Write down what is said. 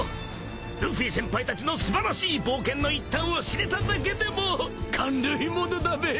ルフィ先輩たちの素晴らしい冒険の一端を知れただけでも感涙ものだべ！